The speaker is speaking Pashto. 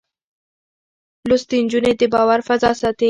لوستې نجونې د باور فضا ساتي.